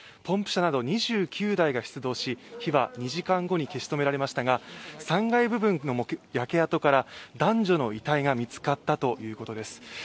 ポンプ車などが出動し火は２時間後に消し止められましたが３階部分の焼け跡から男女の遺体が見つかったということです。